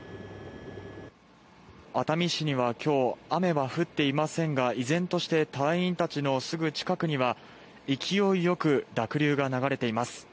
熱海市には今日雨は降っていませんが依然として隊員たちのすぐ近くには勢いよく濁流が流れています。